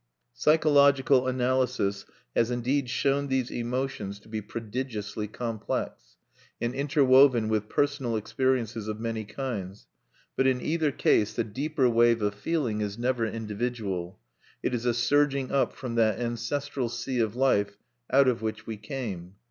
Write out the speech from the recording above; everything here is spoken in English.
Psychological analysis has indeed shown these emotions to be prodigiously complex, and interwoven with personal experiences of many kinds; but in either case the deeper wave of feeling is never individual: it is a surging up from that ancestral sea of life out of which we came.